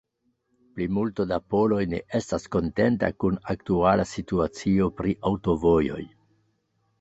Plimulto da poloj ne estas kontenta kun aktuala situacio pri aŭtovojoj.